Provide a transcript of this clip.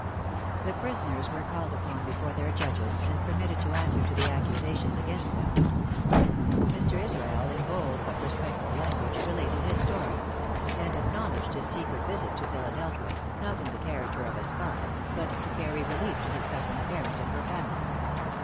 The prisoners were called up before their judges, and permitted to answer to the accusations against them. Mr. Israel, in bold but respectful language, related his story; and acknowledged his secret visit to Philadelphia, not in the character of a spy, but to carry relief to his suffering parent and her family.